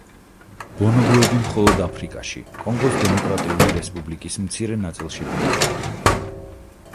ბონობოები მხოლოდ აფრიკაში, კონგოს დემოკრატიული რესპუბლიკის მცირე ნაწილში ბინადრობენ.